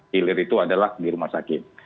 hilir itu adalah di rumah sakit